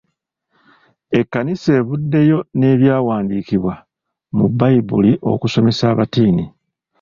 Ekkanisa evuddeyo n'ebyawandiikwa mu Bbayibuli okusomesa abatiini.